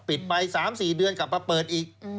ไป๓๔เดือนกลับมาเปิดอีก